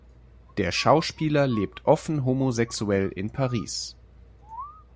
Der Schauspieler lebt offen homosexuell in Paris.